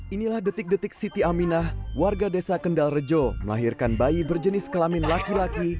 inilah detik detik siti aminah warga desa kendal rejo melahirkan bayi berjenis kelamin laki laki